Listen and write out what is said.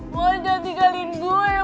mon jangan tinggalin gue